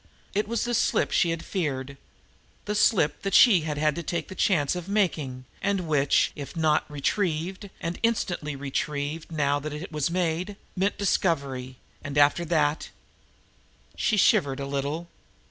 It was the slip she had feared; the slip that she had had to take the chance of making, and which, if it were not retrieved, and instantly retrieved, now that it was made, meant discovery, and after that She shivered a little.